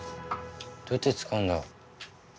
どうやって使うんだ？